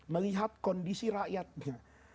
melihat kondisi rakyatnya